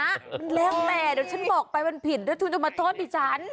มันเร่งแหมเดี๋ยวฉันบอกไปมันผิดเดี๋ยวคุณมาโทษพี่ฉัน